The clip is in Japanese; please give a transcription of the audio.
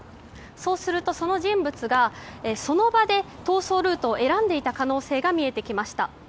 そうすると、その人物がその場で逃走ルートを選んでいた可能性が見えてきました。